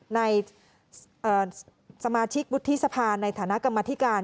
สมาชิกวุฒิสภาในฐานะกรรมธิการ